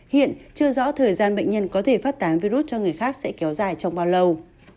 hiện chưa rõ thời gian bệnh nhân có thể phát tán virus cho người khác sẽ kéo dài trong bao lâu